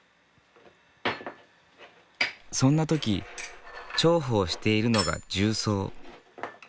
そんな時重宝しているのが重曹。